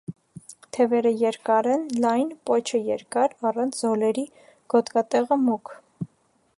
Թևերը երկար են, լայն, պոչը՝ երկար՝ առանց զոլերի, գոտկատեղը՝ մուգ։